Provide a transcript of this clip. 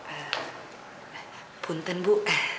eh punten bu